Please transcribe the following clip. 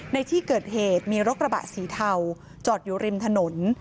ในที่เกิดเหตุมีรถกระบะสีเทาจอดอยู่ริมถนน